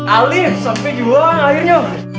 alih sampe jualan airnya